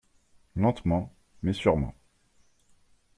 Lentement mais sûrement